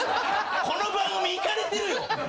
この番組いかれてるよ。